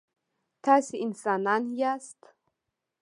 تاسي انسانان یاست.